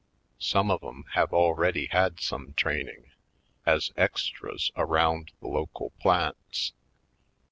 Some of 'em have already had some training — as extras around the local plants.